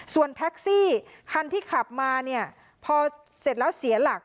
ส่วนแท็กซี่คันที่ขับมาเนี่ยพอเสร็จแล้วเสียหลัก